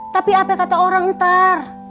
tapi ape kata orang entar